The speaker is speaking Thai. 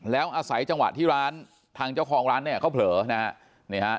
แล้วอาศัยจังหวัดที่ร้านทางเจ้าของร้านเขาเผลอนะครับ